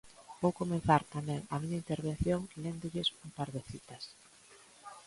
Vou comezar tamén a miña intervención léndolles un par de citas.